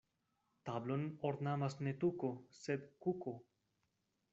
Tablon ornamas ne tuko, sed kuko.